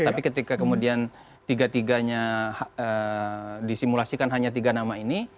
tapi ketika kemudian tiga tiganya disimulasikan hanya tiga nama ini